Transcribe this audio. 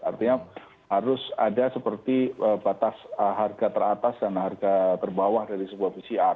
artinya harus ada seperti batas harga teratas dan harga terbawah dari sebuah pcr